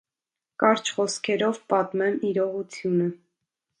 Կարճ խոսքերով պատմեմ իրողությունը: